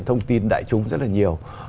thông tin đại chúng rất là nhiều